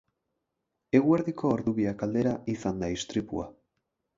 Eguerdiko ordu biak aldera izan da istripua.